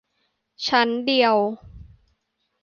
ชั้นเดียว